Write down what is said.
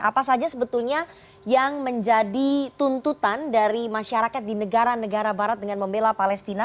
apa saja sebetulnya yang menjadi tuntutan dari masyarakat di negara negara barat dengan membela palestina